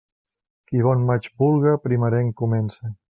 Qui bon maig vulga, primerenc comence.